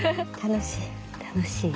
楽しい。